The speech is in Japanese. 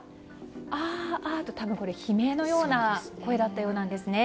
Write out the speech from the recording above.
あーあーとこれは多分、悲鳴のような声だったようなんですね。